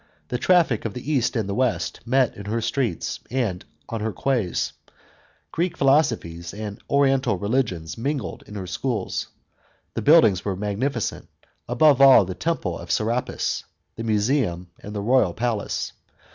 The traffic of the East and the West met in her streets and on her quays; Greek philosophies and oriental religions mingled in her schools. The buildings were magnificent, above all, the Temple of Serapis, the Museum, and the Royal Palace.